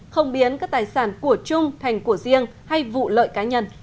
không biến các tài sản của chung thành của riêng hay vụ lợi cá nhân